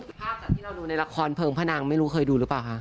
ภาพจากที่เราดูในละครเพลิงพนังไม่รู้เคยดูหรือเปล่าคะ